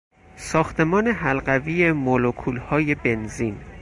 ساختمان حلقوی مولکولهای بنزین